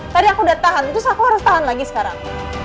tadi aku udah tahan terus aku harus tahan lagi sekarang